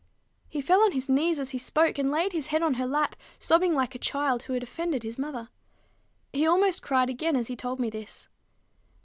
He fell on his knees as he spoke, and laid his head on her lap, sobbing like a child who had offended his mother. He almost cried again as he told me this.